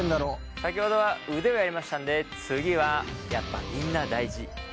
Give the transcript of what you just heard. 先ほどは腕をやりましたんで次はやっぱみんな大事腹まわりですね。